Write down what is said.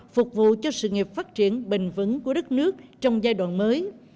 phục vụ cho sự nghiệp phát triển bình vững của đất nước trong giai đoạn mới